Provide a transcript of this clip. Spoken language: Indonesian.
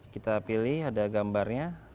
kita pilih ada gambarnya